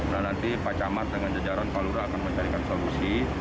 dan nanti pak camat dengan jajaran kalurah akan mencarikan solusi